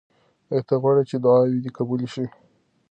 آیا ته غواړې چې دعاوې دې قبولې شي؟